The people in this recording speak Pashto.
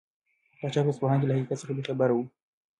پاچا په اصفهان کې له حقیقت څخه بې خبره و.